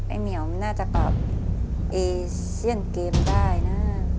เหมียวน่าจะตอบเอเซียนเกมได้นะ